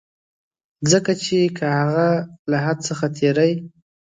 ځکه چي که هغه له حد څخه تېری.